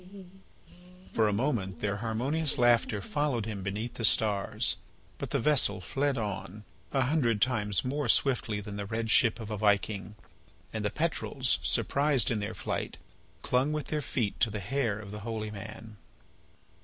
For a moment their harmonious laughter followed him beneath the stars, but the vessel fled on, a hundred times more swiftly than the red ship of a Viking. And the petrels, surprised in their flight, clung with their feet to the hair of the holy man.